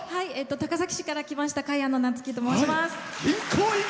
高崎市から来ましたかやのと申します。